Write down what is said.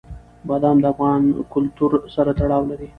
بادام د افغان کلتور سره تړاو لري.